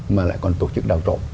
mà lại còn tổ chức đào trộn